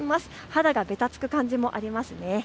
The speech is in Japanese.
肌がべたつく感じもありますね。